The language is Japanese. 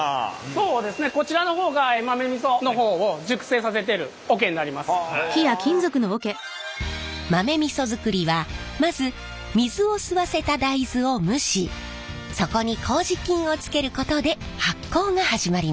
そうですねこちらの方が豆味噌づくりはまず水を吸わせた大豆を蒸しそこに麹菌を付けることで発酵が始まります。